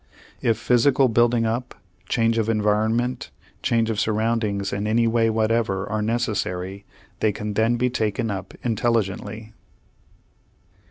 If physical building up, change of environment, change of surroundings in any way whatever are necessary, they can then be taken up intelligently.